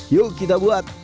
yuk kita buat